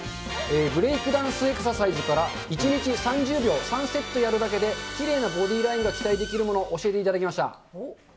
ブレイクダンスエクササイズから１日３０秒３セットやるだけできれいなボディーラインが期待できるもの、教えていただきました。